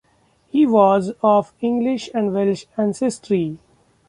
He was of English and Welsh ancestry.